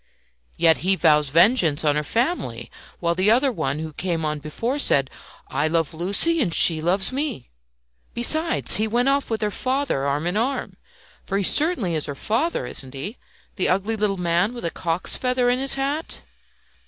"Yet he vows vengeance on her family, while the other one who came on before said, 'I love Lucie and she loves me!' Besides, he went off with her father arm in arm. For he certainly is her father, isn't he the ugly little man with a cock's feather in his hat?"